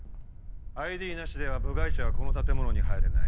ＩＤなしでは部外者はこの建物に入れない。